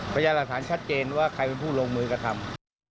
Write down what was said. พยายามหลักฐานชัดเจนว่าใครเป็นผู้ลงมือกระทำ